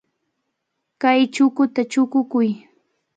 Kay chukuta chukukuy.